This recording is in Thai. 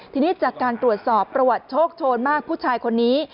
ทีนี้จากการตรวจสอบประวัติโชคโชนมากผู้ชายคนนี้